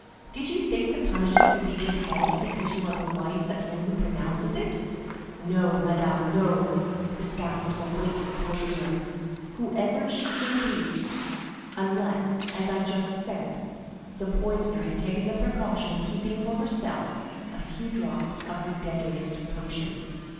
Did you think the punishment would be withheld because you are the wife of him who pronounces it?—No, madame, no; the scaffold awaits the poisoner, whoever she may be, unless, as I just said, the poisoner has taken the precaution of keeping for herself a few drops of her deadliest poison."